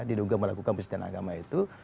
diduga melakukan penistaan agama itu